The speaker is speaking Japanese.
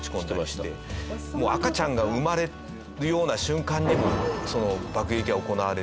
赤ちゃんが生まれるような瞬間にも爆撃が行われて。